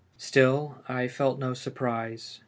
Still, I felt no surprise.